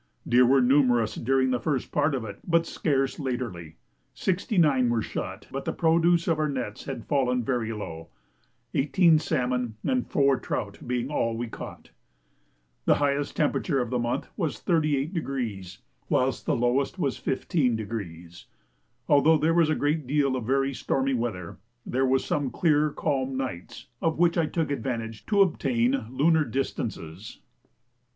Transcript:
Deer were numerous during the first part of it, but scarce latterly; sixty nine were shot, but the produce of our nets had fallen very low, eighteen salmon and four trout being all we caught. The highest temperature of the month was 38°, whilst the lowest was 15°. Although there was a great deal of very stormy weather, there were some clear calm nights, of which I took advantage to obtain lunar distances.